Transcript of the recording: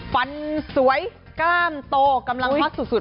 ฟันสวยกล้ามโตกำลังฮอตสุด